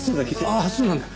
ああそうなんだ。